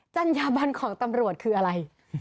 จัญญาบันของตำรวจคืออะไร